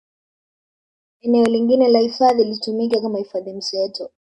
Eneo lingine la hifadhi litumike kama hifadhi mseto